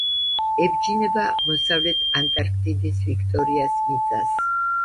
ებჯინება აღმოსავლეთ ანტარქტიდის ვიქტორიას მიწას.